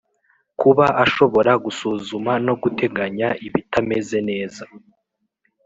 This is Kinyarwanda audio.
kuba ashobora gusuzuma no guteganya ibitameze neza